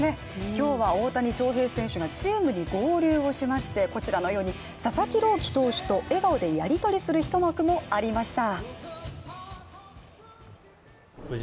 今日は大谷翔平選手がチームに合流しまして、こちらのように佐々木朗希投手と笑顔でやりとりする一幕もありました。